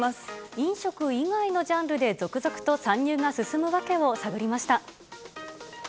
飲食以外のジャンルで続々と参入が進む訳を探りました。